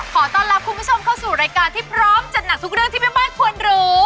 ขอต้อนรับคุณผู้ชมเข้าสู่รายการที่พร้อมจัดหนักทุกเรื่องที่แม่บ้านควรรู้